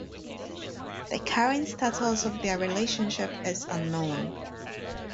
The current status of their relationship is unknown.